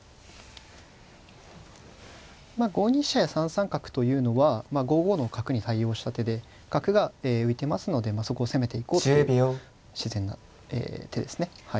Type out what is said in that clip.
５二飛車や３三角というのは５五の角に対応した手で角が浮いてますのでそこを攻めていこうという自然な手ですねはい。